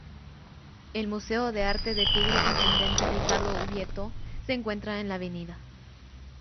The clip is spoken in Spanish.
El Museo de Arte de Tigre Intendente Ricardo Ubieto se encuentra en la Av.